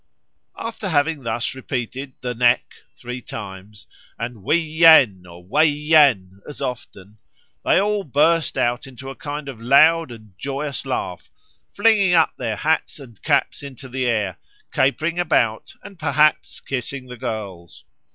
... After having thus repeated 'the neck' three times, and 'wee yen,' or 'way yen' as often, they all burst out into a kind of loud and joyous laugh, flinging up their hats and caps into the air, capering about and perhaps kissing the girls.